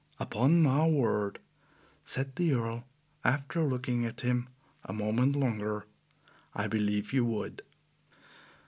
"Upon my word," said the Earl, after looking at him a moment longer, "I believe you would!"